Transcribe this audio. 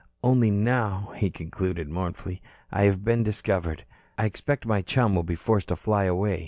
"Only now," he concluded mournfully, "I have been discovered. I expect my chum will be forced to fly away.